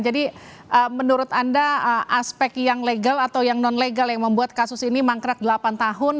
jadi menurut anda aspek yang legal atau yang non legal yang membuat kasus ini mangkrak delapan tahun